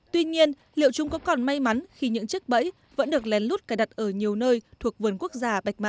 tuy nhiên liệu chúng có còn may mắn khi những chiếc bẫy vẫn được lén lút cài đặt ở nhiều nơi thuộc vườn quốc gia bạch